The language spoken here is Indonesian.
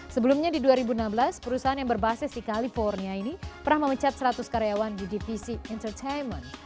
sebelumnya di dua ribu enam belas perusahaan yang berbasis di california ini pernah memecat seratus karyawan di divisi entertainment